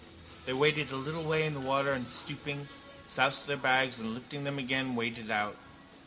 They waded a little way in the water and, stooping, soused their bags and, lifting them again, waded out.